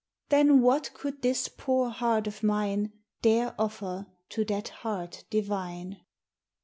Then what could this poor heart of mine Dare offer to that heart divine?